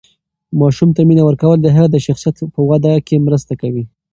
ماشوم ته مینه ورکول د هغه د شخصیت په وده کې مرسته کوي.